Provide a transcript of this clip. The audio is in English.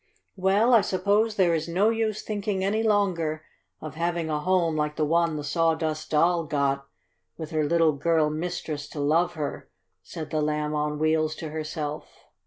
"Well, I suppose there is no use thinking any longer of having a home like the one the Sawdust Doll got, with her little girl mistress to love her," said the Lamb on Wheels to herself.